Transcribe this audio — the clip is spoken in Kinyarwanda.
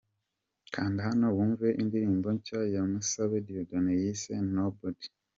Kanda hano wumve indirimbo nshya ya Musabe Dieudonne yise 'Nobody'.